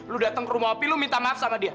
lu datang ke rumah api lu minta maaf sama dia